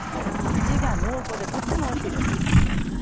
味が濃厚でとってもおいしいです。